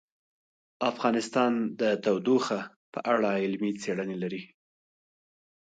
افغانستان د تودوخه په اړه علمي څېړنې لري.